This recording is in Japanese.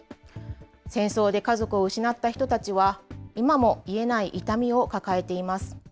戦争で家族を失った人たちは、今も癒えない痛みを抱えています。